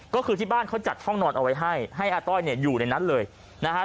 ก็คือที่บ้านเขาจัดห้องนอนเอาไว้ให้ให้อาต้อยเนี่ยอยู่ในนั้นเลยนะฮะ